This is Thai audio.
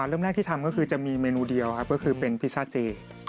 เริ่มแรกที่ทำก็คือจะมีเมนูเดียวครับก็คือเป็นพิซซ่าเจ